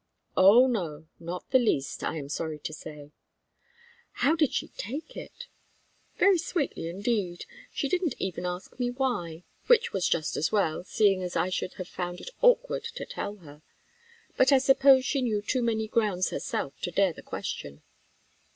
"Oh, no! not the least, I am sorry to say." "How did she take it?" "Very sweetly indeed. She didn't even ask me why, which was just as well, seeing I should have found it awkward to tell her. But I suppose she knew too many grounds herself to dare the question."